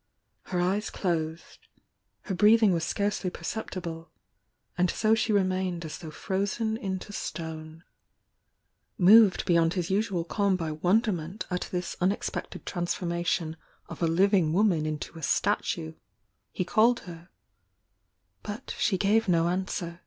Her eyes closed — her breathing was scarcely perceptible — and so she remained as though frozen into stone. Moved beyond his usual calm by wonderment at this unex i 286 THE YOUNG DIANA ii« f I Hi pected transformation of a living woman into a statue, he called her, — but she gave no answer.